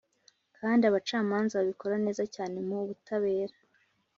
kandi abacamanza babikora neza cyane mu ubutabera